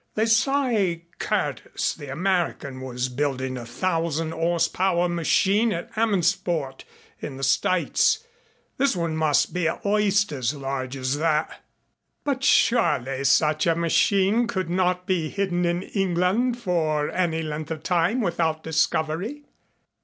They say Curtis, the American, was building a thousand horsepower machine at Hammondsport in the States. This one must be at least as large as that." "But surely such a machine could not be hidden in England for any length of time without discovery."